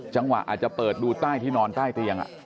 อาจจะเปิดดูใต้ที่นอนใต้เตียง